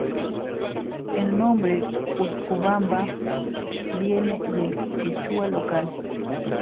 El nombre "Utcubamba" viene del Quechua local.